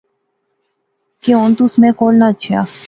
کہ ہن تس میں کول نہ اچھیا